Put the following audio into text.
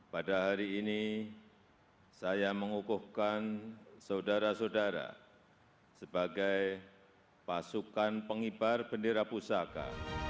pada hari ini saya mengukuhkan saudara saudara sebagai pasukan pengibar bendera pusaka